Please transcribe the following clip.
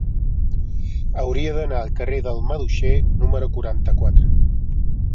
Hauria d'anar al carrer del Maduixer número quaranta-quatre.